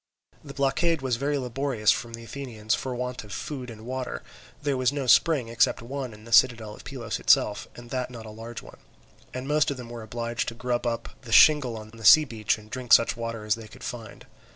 The blockade was very laborious for the Athenians from want of food and water; there was no spring except one in the citadel of Pylos itself, and that not a large one, and most of them were obliged to grub up the shingle on the sea beach and drink such water as they could find.